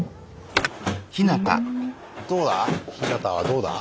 どうだ？